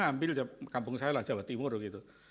kemudian provinsi mana ambil kampung saya lah jawa timur gitu